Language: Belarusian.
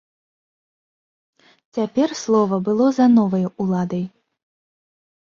Цяпер слова было за новай уладай.